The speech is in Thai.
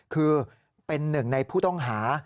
คือเป็นหนึ่งในผู้ต้องหา